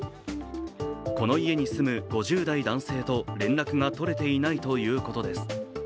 この家に住む５０代男性と連絡が取れていないということです。